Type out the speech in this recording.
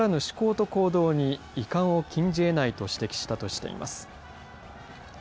首相らしからぬ思考と行動に遺憾を禁じえないと指摘したとしています。